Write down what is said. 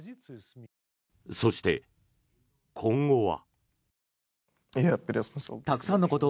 そして、今後は。